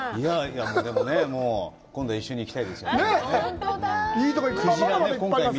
でもね、今度一緒に行きたいですね。